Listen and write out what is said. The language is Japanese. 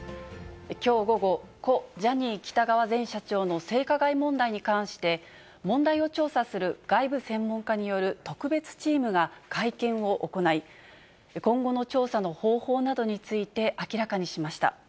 きょう午後、故・ジャニー喜多川前社長の性加害問題に関して、問題を調査する外部専門家による特別チームが会見を行い、今後の調査の方法などについて明らかにしました。